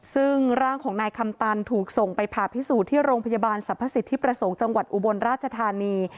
ซึ่งร่างของนายคำตันถูกส่งไปผ่าพิสูจน์ที่โรงพยาบาลสรรพสิทธิประสงค์จังหวัดอุบลราชธานี